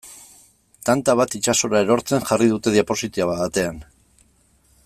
Tanta bat itsasora erortzen jarri dute diapositiba batean.